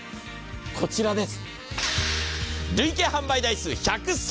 こちらです。